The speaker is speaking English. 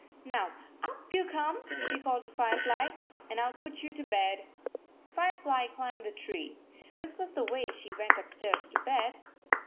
" Now, up you come," she called to Fire fly, "and I will put you to bed." Firefly climbed the tree. This was the way she went upstairs to bed.